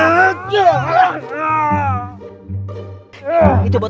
nah saya satukan